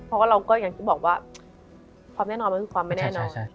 เพราะว่าเราก็อย่างที่บอกว่าความแน่นอนมันคือความไม่แน่นอน